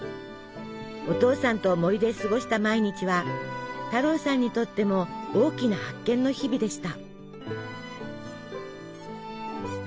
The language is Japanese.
お父さんと森で過ごした毎日は太郎さんにとっても大きな発見の日々でした。